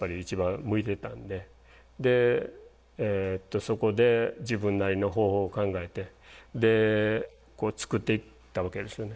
でそこで自分なりの方法を考えて作っていったわけですよね。